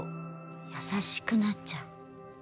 優しくなっちゃう。